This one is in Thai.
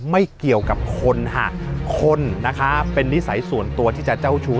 ไม่เกี่ยวกับคนค่ะคนนะคะเป็นนิสัยส่วนตัวที่จะเจ้าชู้